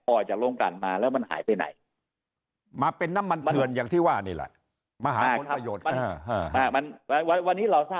ออกจากโรงกันมาแล้วมันหายไปไหนมาเป็นน้ำมันเถื่อนอย่างที่ว่านี่แหละ